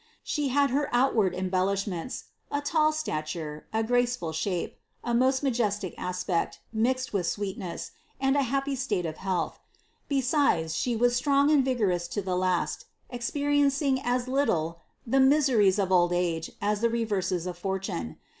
*^She had her outward embellishments — a tall stature, a graceful ihape, a most majestic aspect mixed with sweetness, and a happy state of health. Besides, she was strong and vigorous to the last, experien cing as little the miseries of old age as the reverses of fortune.